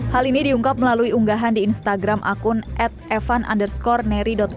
hal ini diungkap melalui unggahan di instagram akun